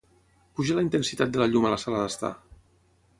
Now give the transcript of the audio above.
Puja la intensitat de la llum a la sala d'estar.